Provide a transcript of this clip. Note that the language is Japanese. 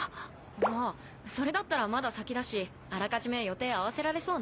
あっそれだったらまだ先だしあらかじめ予定合わせられそうね。